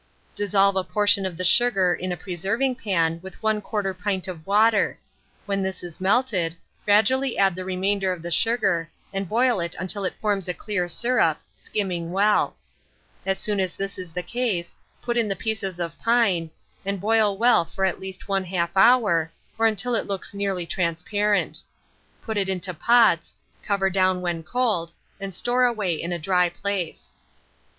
Dissolve a portion of the sugar in a preserving pan with 1/4 pint of water; when this is melted, gradually add the remainder of the sugar, and boil it until it forms a clear syrup, skimming well. As soon as this is the case, put in the pieces of pine, and boil well for at least 1/2 hour, or until it looks nearly transparent. Put it into pots, cover down when cold, and store away in a dry place.